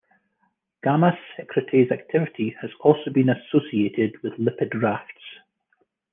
Gamma secretase activity has also been associated with lipid rafts.